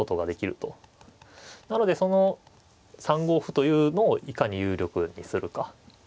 なのでその３五歩というのをいかに有力にするか。